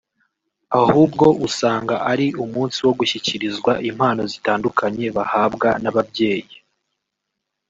ahubwo usanga ari umunsi wo gushyikirizwa impano zitandukanye bahabwa n’ababyeyi